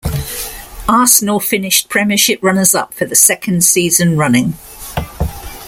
Arsenal finished Premiership runners-up for the second season running.